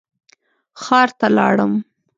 ښار ته لاړم.